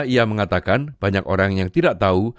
ia mengatakan banyak orang yang tidak tahu